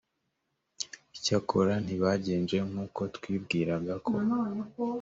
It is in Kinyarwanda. icyakora ntibagenje nk uko twibwiraga ko